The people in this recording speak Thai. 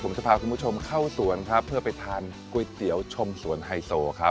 ผมจะพาคุณผู้ชมเข้าสวนครับเพื่อไปทานก๋วยเตี๋ยวชมสวนไฮโซครับ